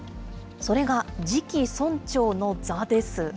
それが次期村長の座です。